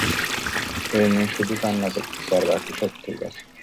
এই মেয়ে শুধু কান্না করতেছে আর বাকি সব ঠিক আছে।